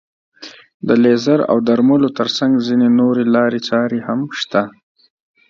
د لیزر او درملو تر څنګ ځينې نورې لارې چارې هم شته.